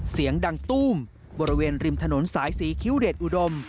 เสียงดังตู้มบริเวณริมถนนสายศรีคิ้วเดชอุดม